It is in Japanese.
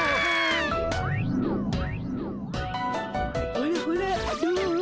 ほらほらどう？